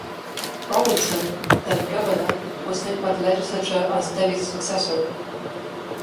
Robinson, then governor, was named by the legislature as Davis' successor.